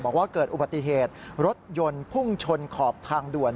บอกว่าเกิดอุบัติเหตุรถยนต์พุ่งชนขอบทางด่วน